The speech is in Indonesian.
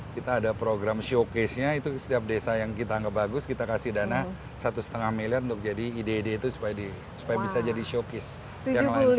kita ada program showcase nya itu setiap desa yang kita anggap bagus kita kasih dana satu lima miliar untuk jadi ide ide itu supaya bisa jadi showcase yang lain